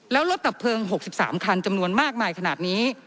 แล้วรถดับเพลิง๖๓คันจำนวนมากมายขนาดนี้